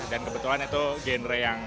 dan kebetulan itu genre yang